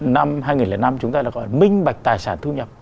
năm hai nghìn năm chúng ta đã gọi là minh bạch tài sản thu nhập